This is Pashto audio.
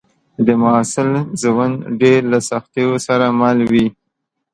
د محصل ژوند ډېر له سختیو سره مل وي